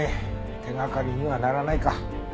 手掛かりにはならないか。